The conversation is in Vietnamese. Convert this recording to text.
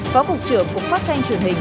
phó cục trưởng cục phát thanh truyền hình